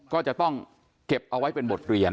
ก็จะต้องเก็บเอาไว้เป็นบทเรียน